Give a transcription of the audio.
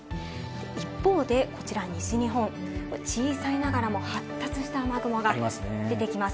一方で、こちら西日本、小さいながらも発達した雨雲が出てきます。